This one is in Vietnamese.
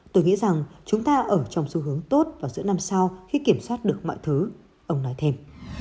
tôi nghĩ rằng chúng ta ở trong xu hướng tốt vào giữa năm sau khi kiểm soát được mọi thứ ông nói thêm